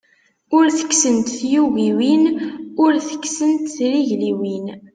Ur tekksent tyugiwin, ur tekksent trigliwin.